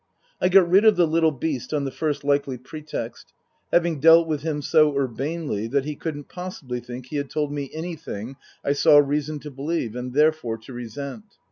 I got rid of the little beast on the first likely pretext, having dealt with him so urbanely that he couldn't possibly think he had told me anything I saw reason to believe and therefore to resent.